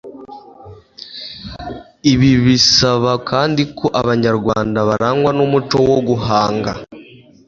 ibi bisaba kandi ko abanyarwanda barangwa n'umuco wo guhanga